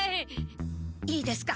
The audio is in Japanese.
いいですか！